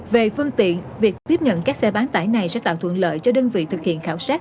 về phương tiện việc tiếp nhận các xe bán tải này sẽ tạo thuận lợi cho đơn vị thực hiện khảo sát